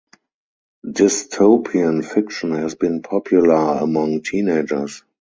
Dystopian fiction has been popular among teenagers.